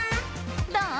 どう？